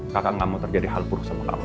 kakak gak mau terjadi hal buruk sama kamu